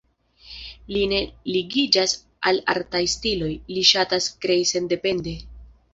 Li ne ligiĝas al artaj stiloj, li ŝatas krei sendepende.